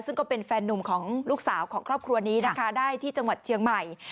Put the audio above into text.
ซึ่งก็เป็นแฟนนุ่มของลูกสาวของครอบครัวนี้นะคะได้ที่จังหวัดเชียงใหม่